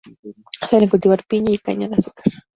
Suelen cultivar piña y caña de azúcar.